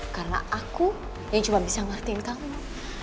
karena aku yang cuma bisa ngertiin kamu